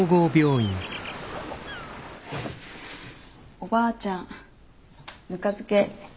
おばあちゃんぬか漬け